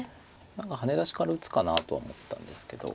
ハネ出しから打つかなとは思ったんですけど。